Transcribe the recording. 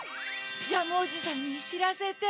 ジャムおじさんにしらせて。